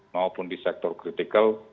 maupun di sektor kritikal